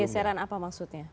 pergeseran apa maksudnya